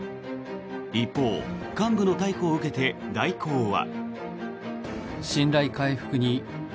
一方、幹部の逮捕を受けて大広は。